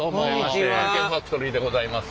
「探検ファクトリー」でございます。